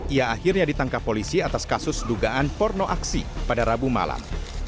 ia akhirnya ditangkap polisi atas kasus dugaan porno aksi pada rabu malam